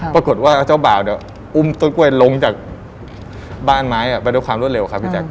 ปรากฏว่าเจ้าบ่าวเนี่ยอุ้มต้นกล้วยลงจากบ้านไม้ไปด้วยความรวดเร็วครับพี่แจ๊